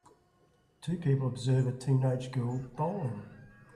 Two people observe a teenage girl bowling.